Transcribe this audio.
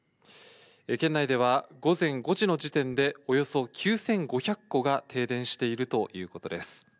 県内では、午前５時の時点でおよそ９５００戸が停電しているということです。